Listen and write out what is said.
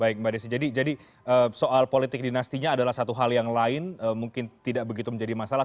baik mbak desi jadi soal politik dinastinya adalah satu hal yang lain mungkin tidak begitu menjadi masalah